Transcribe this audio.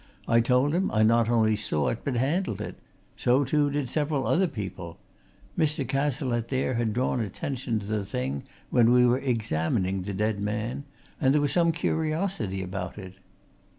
"I told him I not only saw it, but handled it so, too, did several other people Mr. Cazalette there had drawn attention to the thing when we were examining the dead man, and there was some curiosity about it."